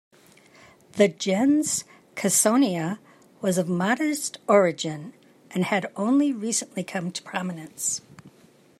The gens Caesonia was of modest origin, and had only recently come to prominence.